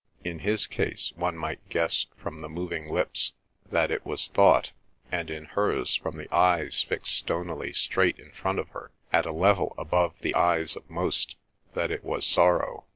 In his case one might guess from the moving lips that it was thought; and in hers from the eyes fixed stonily straight in front of her at a level above the eyes of most that it was sorrow.